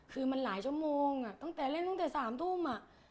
คือมันหลายชมมงตั้งแต่เล่นตั้งแต่สามทุ่มอ่ะ